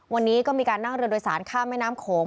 วันนี้ก็มีการนั่งเรือโดยสารข้ามแม่น้ำโขง